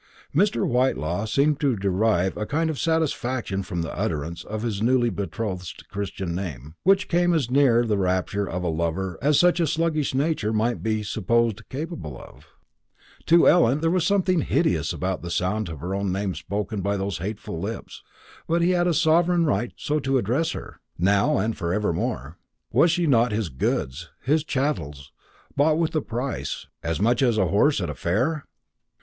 Mr. Whitelaw seemed to derive a kind of satisfaction from the utterance of his newly betrothed's Christian name, which came as near the rapture of a lover as such a sluggish nature might be supposed capable of. To Ellen there was something hideous in the sound of her own name spoken by those hateful lips; but he had a sovereign right so to address her, now and for evermore. Was she not his goods, his chattels, bought with a price, as much as a horse at a fair?